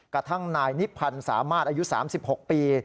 กระทั่งนายนิพันธ์สามารถอายุ๓๖ปี